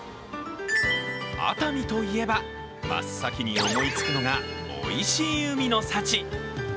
熱海といえば、真っ先に思いつくのがおいしい海の幸。